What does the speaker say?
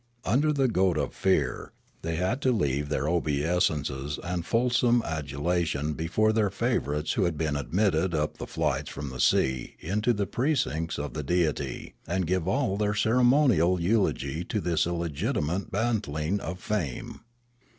Under the goad of fear, they had to leave their obeisances and fulsome adulation 28o Riallaro before their favourites who had been admitted up the flights from the sea into the precincts of the deity, and give all their ceremonial eulogy to this illegitimate bantling of fame.